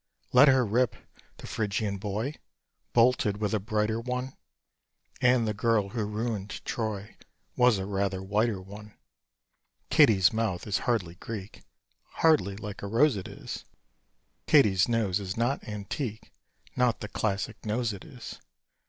Let her rip! the Phrygian boy Bolted with a brighter one; And the girl who ruined Troy Was a rather whiter one. Katie's mouth is hardly Greek Hardly like a rose it is: Katie's nose is not antique Not the classic nose it is.